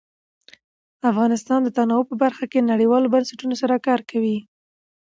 افغانستان د تنوع په برخه کې نړیوالو بنسټونو سره کار کوي.